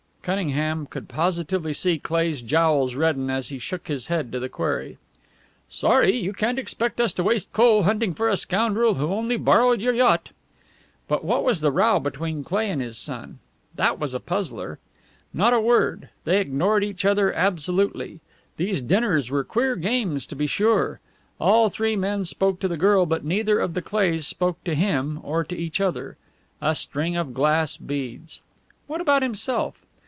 Cunningham could positively see Cleigh's jowls redden as he shook his head to the query. "Sorry. You can't expect us to waste coal hunting for a scoundrel who only borrowed your yacht." But what was the row between Cleigh and his son? That was a puzzler. Not a word! They ignored each other absolutely. These dinners were queer games, to be sure. All three men spoke to the girl, but neither of the Cleighs spoke to him or to each other. A string of glass beads! What about himself?